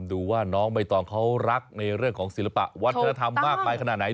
ดูว่าน้องใบตองเขารักในเรื่องของศิลปะวัฒนธรรมมากมายขนาดไหน